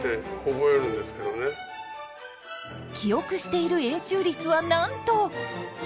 記憶している円周率はなんと。